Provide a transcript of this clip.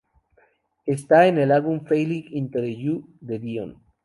Está en el álbum Falling into You de Dion